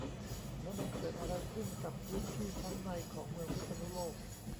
แล้วมันเกิดอะไรขึ้นกับพื้นที่ชั้นในของเมืองพิษณุโลก